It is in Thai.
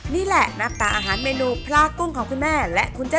นี่แหละหน้าตาอาหารเมนูพลากุ้งของคุณแม่และคุณแจ